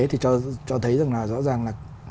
thì cho thấy rõ ràng là